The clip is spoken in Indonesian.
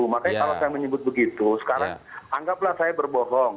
makanya kalau saya menyebut begitu sekarang anggaplah saya berbohong